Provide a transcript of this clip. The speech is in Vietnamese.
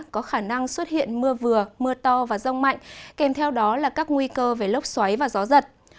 có khả năng xuất hiện mưa vừa mưa to và rông mạnh kèm theo đó là các nguy cơ về lốc xoáy và gió giật